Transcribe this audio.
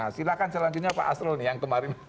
silahkan selanjutnya pak asrul yang kemarin